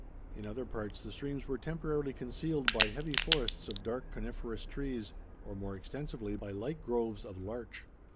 In other parts, the streams were temporarily concealed by heavy forests of dark coniferous trees, or more extensively, by light groves of larch.